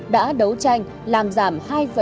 đã đấu tranh làm giảm hai bảy mươi hai